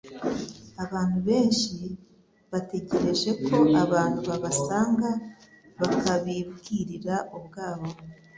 Abantu benshi bategereje ko abantu babasanga bakabibwirira ubwabo.